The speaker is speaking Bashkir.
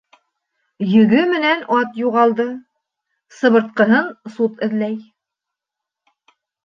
Йөгө менән ат юғалды, сыбыртҡыһын суд эҙләй.